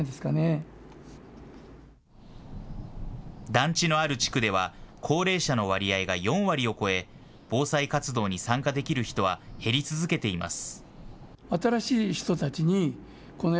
団地のある地区では高齢者の割合が４割を超え防災活動に参加できる人は減り続けています。